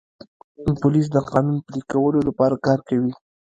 پولیس د قانون پلي کولو لپاره کار کوي.